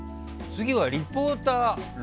次はリポーター。